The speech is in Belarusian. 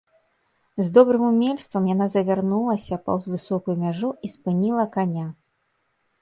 З добрым умельствам яна завярнулася паўз высокую мяжу і спыніла каня.